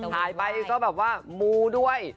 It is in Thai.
ถ่ายไปก็แบบว่ามูด้วย